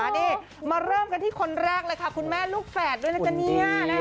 นี่มาเริ่มกันที่คนแรกเลยค่ะคุณแม่ลูกแฝดด้วยนะจ๊ะเนี่ย